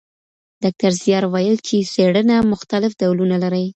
ډاکټر زیار ویل چي څېړنه مختلف ډولونه لري.